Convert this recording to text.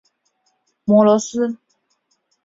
摩罗斯。